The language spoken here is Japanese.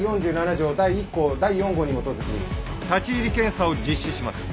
第１項第４号に基づき立入検査を実施します。